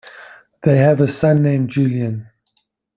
They have a son named Julian.